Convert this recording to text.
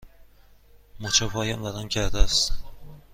مچ پایم ورم کرده است.